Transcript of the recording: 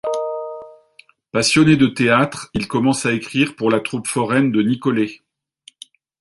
Passionné de théâtre, il commence à écrire pour la troupe foraine de Nicolet.